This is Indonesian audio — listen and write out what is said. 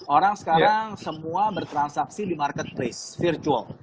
orang sekarang semua bertransaksi di marketplace virtual